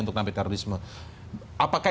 untuk nampak karbis apakah